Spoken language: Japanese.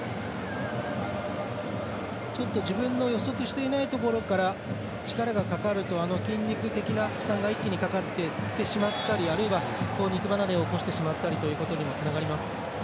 ちょっと自分の予測していないところから力がかかると筋肉的な負担が一気にかかってつってしまったりあるいは、肉離れを起こしてしまうことにもつながります。